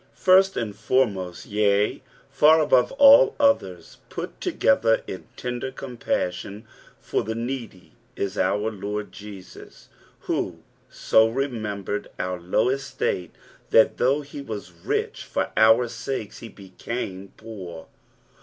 Firet and foremost, yea, fur tibavc hU others put together in tender compusLon for Ibe needy U our Lord Jesus, who so rememberud our low estate, that thongb he was rich, for our sakei he bccume poor.